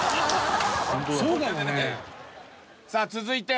さあ続いて。